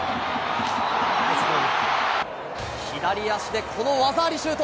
左足でこの技ありシュート！